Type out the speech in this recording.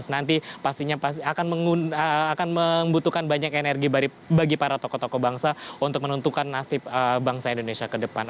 nanti pastinya akan membutuhkan banyak energi bagi para tokoh tokoh bangsa untuk menentukan nasib bangsa indonesia ke depan